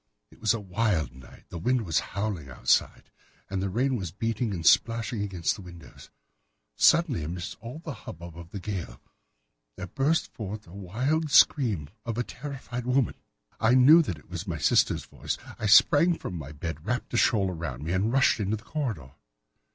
It was a wild night. The wind was howling outside, and the rain was beating and splashing against the windows. Suddenly, amid all the hubbub of the gale, there burst forth the wild scream of a terrified woman. I knew that it was my sister's voice. I sprang from my bed, wrapped a shawl round me, and rushed into the corridor.